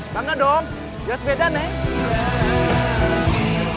bang nanti dong jelas beda neng